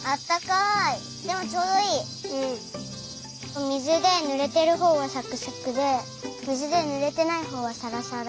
お水でぬれてるほうがサクサクで水でぬれてないほうはサラサラ。